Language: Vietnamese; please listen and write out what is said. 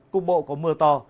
cục bộ có mưa to